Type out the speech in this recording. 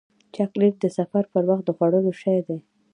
چاکلېټ د سفر پر وخت د خوړلو شی دی.